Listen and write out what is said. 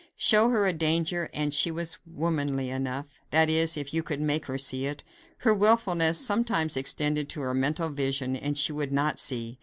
Show her a danger and she was womanly enough that is, if you could make her see it. Her wilfulness sometimes extended to her mental vision and she would not see.